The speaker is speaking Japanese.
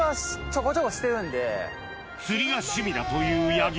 釣りが趣味だという八木